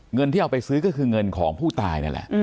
เงินที่เอาไปซื้อก็คือเงินของผู้ตายนั่นแหละ